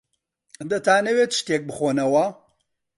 دەتانەوێت شتێک بخۆنەوە؟